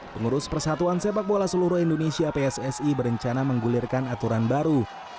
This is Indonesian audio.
pengurus persatuan sepak bola seluruh indonesia pssi berencana menggulirkan aturan baru